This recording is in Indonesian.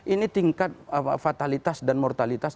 ini tingkat fatalitas dan mortalitas